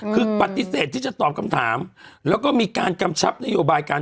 คือปฏิเสธที่จะตอบคำถามแล้วก็มีการกำชับนโยบายการ